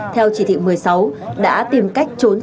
theo chỉ thị một mươi sáu đã tìm cách trốn vào vùng dịch